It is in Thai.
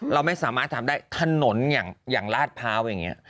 เราไม่สามารถทำได้ถนนอย่างลาดพร้าวอย่างนี้